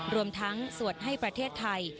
รวมทั้งสวดให้ประเทศไทย